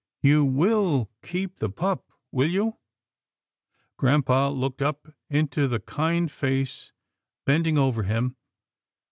You will keep the pup, will you? " Grampa looked up into the kind face bending over him.